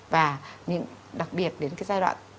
và đặc biệt đến cái giai đoạn